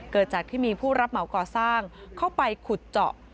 เกิดจากที่มีผู้รับเหมาก่อสร้างเข้าไปขุดเจาะ